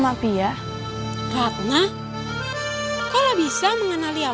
aku cuman putus diri sama si ya